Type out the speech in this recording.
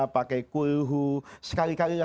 pakai kulhu sekali kali